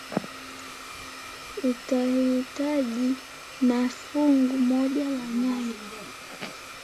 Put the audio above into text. utahihitaji ni fungu moja la nyanya